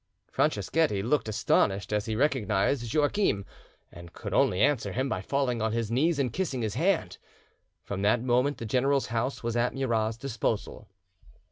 Franceschetti looked astonished as he recognised Joachim, and could only answer him by falling on his knees and kissing his hand. From that moment the general's house was at Murat's disposal.